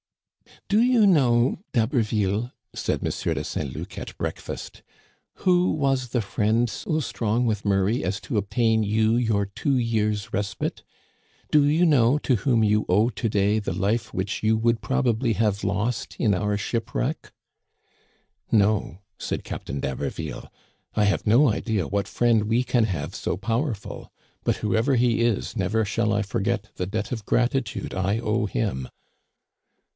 "Do you know, D'Haberville," said M. de Saint Luc at breakfast, " who was the friend so strong with Murray as to obtain you your two years' respite ? Do you know to whom you owe to day the life which you would probably have lost in our shipwreck ?"" No," said Captain D'Haberville. " I have no idea what friend we can have so powerful. But whoever he is, never shall I forget the debt of gratitude I owe him."